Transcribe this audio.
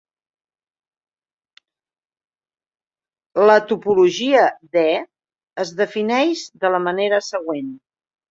La topologia de "E" es defineix de la manera següent.